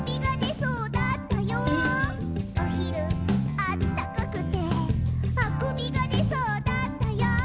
「おひる、あったかくてあくびがでそうだったよ」